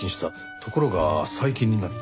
ところが最近になって。